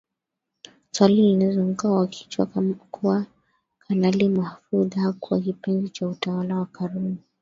Swali linazuka kwa kuwa Kanali Mahfoudh hakuwa kipenzi cha utawala wa Karume